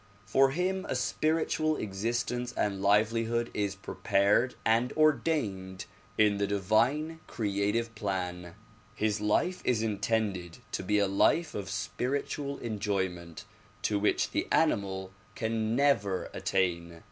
For him a spiritual existence and liveli hood is prepared and ordained in the divine creative plan. His life is intended to be a life of spiritual enjoyment to which the animal can never attain.